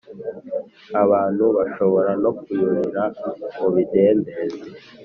abantu bashobora no kuyororera mu bidendezi